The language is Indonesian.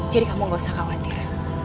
jadi kamu gak usah khawatir